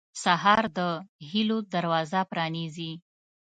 سهار د هيلو دروازه پرانیزي.